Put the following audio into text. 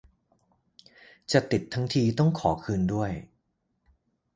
จะติดทั้งทีต้องขอคืนด้วย